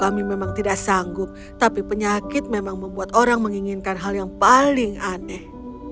kami memang tidak sanggup tapi penyakit memang membuat orang menginginkan hal yang paling aneh